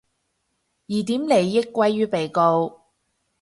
疑點利益歸於被告